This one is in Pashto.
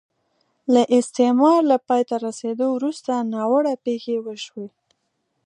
د استعمار له پای ته رسېدو وروسته ناوړه پېښې وشوې.